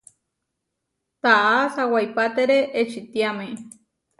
Taʼá sawaipatére ečitiáme.